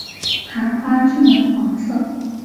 盘花均为黄色。